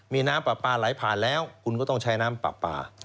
มีน้ำปลาปลาไหลผ่านแล้วคุณก็ต้องใช้น้ำปลาปลา